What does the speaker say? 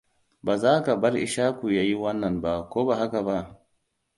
Ba za ka bar Ishaku ya yi wannan ba, ko ba haka ba?